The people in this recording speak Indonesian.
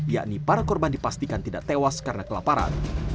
yakni para korban dipastikan tidak tewas karena kelaparan